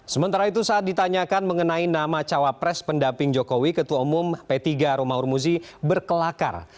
sementara itu saat ditanyakan mengenai nama cawapres pendamping jokowi ketua umum p tiga romahur muzi berkelakar